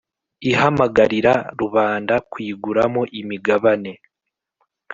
ihamagarira rubanda kuyiguramo imigabane.